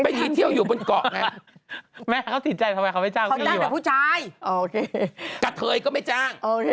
อ๋อมาเคาะมาตรูบ้าน